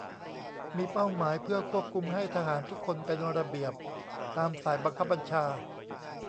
มีเป้าหมายเพื่อควบคุมให้ทหารทุกคนเป็นระเบียบตามสายบังคับบัญชา